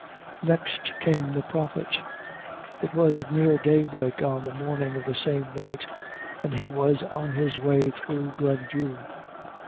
Next came the Prophet. It was near daybreak on the morning of the same night, and he was on his way through Glendhu.